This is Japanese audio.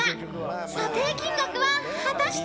［査定金額は果たして？］